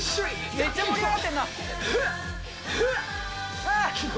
めっちゃ盛り上がってんな。